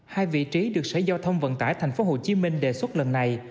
hai vị trí được sở giao thông vận tải tp hcm đề xuất lần này